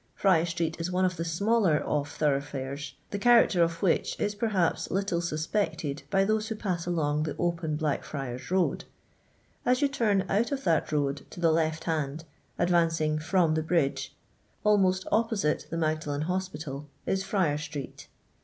Friar street is one of the smaller off thorough fitfes^ the character of which is, perhaps, little suspected by those who pass along the open Black fmrs road. As you turn out of that road to itm left hand, advancing from the bridge, almost oppo site the Magdalen Hospital, is Friar street.